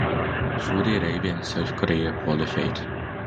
Saudi Arabia and South Korea qualified.